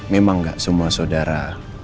memang gak semua saudara